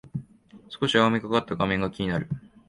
少し青みがかった画面が気になる